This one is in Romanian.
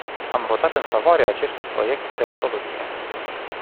Am votat în favoarea acestui proiect de rezoluție.